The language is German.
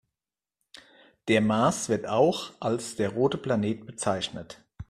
Der Mars wird auch als der „rote Planet“ bezeichnet.